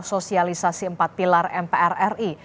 sosialisasi empat pilar mpr ri